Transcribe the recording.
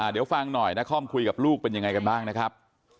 เดี๋ยวฟังหน่อยนครคุยกับลูกเป็นยังไงกันบ้างนะครับ